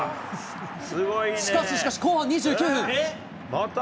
しかししかし、後半２９分。